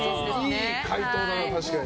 いい回答だな、確かに。